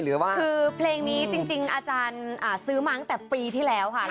คือเพลงนี้จริงอาจารย์ซื้อมาตั้งแต่ปีที่แล้วค่ะ